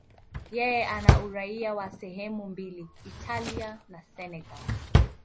Yeye ana uraia wa sehemu mbili, Italia na Senegal.